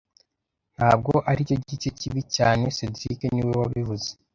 Ntabwo aricyo gice kibi cyane cedric niwe wabivuze